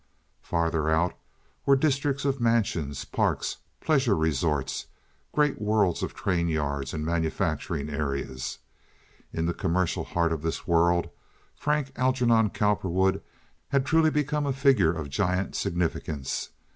Farther out were districts of mansions, parks, pleasure resorts, great worlds of train yards and manufacturing areas. In the commercial heart of this world Frank Algernon Cowperwood had truly become a figure of giant significance.